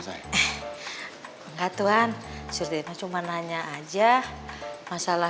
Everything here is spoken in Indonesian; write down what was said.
selamat datang ya pak